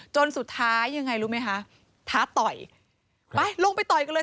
จนสุดท้ายยังไงรู้ไหมคะท้าต่อยไปลงไปต่อยกันเลย